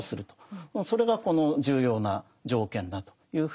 それがこの重要な条件だというふうに考えてるわけです。